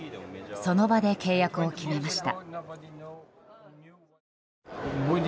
その場で契約を決めました。